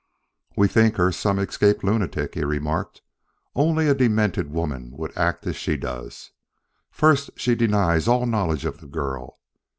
"We think her some escaped lunatic," he remarked. "Only a demented woman would act as she does. First she denied all knowledge of the girl.